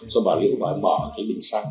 do bà liễu phải bỏ cái bình xăng